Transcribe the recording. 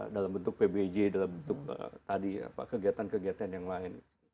dalam bentuk pbj dalam bentuk tadi kegiatan kegiatan yang lain